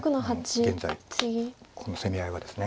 現在この攻め合いはですね。